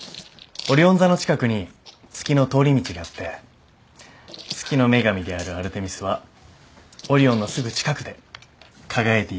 オリオン座の近くに月の通り道があって月の女神であるアルテミスはオリオンのすぐ近くで輝いていられるんです。